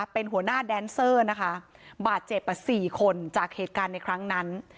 เป็นหัวหน้าแดนเซอร์นะคะบาดเจ็บ๔คนจากเหตุการณ์ในครั้งนั้น